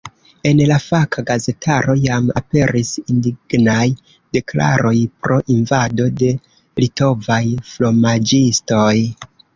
En la faka gazetaro jam aperis indignaj deklaroj pro invado de litovaj fromaĝistoj.